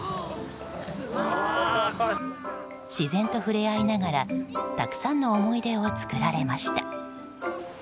自然と触れ合いながらたくさんの思い出を作られました。